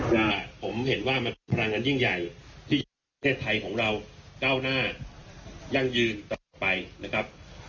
ว่าผมเห็นว่ามันเป็นพลังงานยิ่งใหญ่ที่ประเทศไทยของเราก้าวหน้ายั่งยืนตลอดไปนะครับ